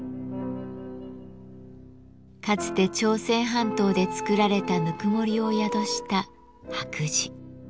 かつて朝鮮半島で作られたぬくもりを宿した白磁。